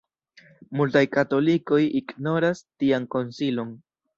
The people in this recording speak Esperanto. Multaj katolikoj ignoras tian konsilon.